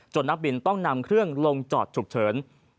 นักบินต้องนำเครื่องลงจอดฉุกเฉิน